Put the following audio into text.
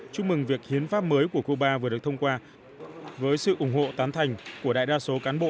chúc mừng việc hiến pháp mới của cuba vừa được thông qua với sự ủng hộ tán thành của đại đa số cán bộ